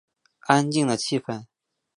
安静的气氛